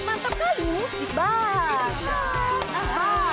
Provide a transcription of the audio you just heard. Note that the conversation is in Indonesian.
mantap kali musik bang